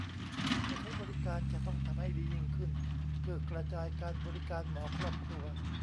มาใช้บริการจะต้องทำให้ดียิ่งขึ้นเพื่อกระจายบริการหมอครอบครัว